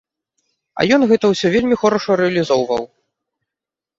А ён гэта ўсё вельмі хораша рэалізоўваў.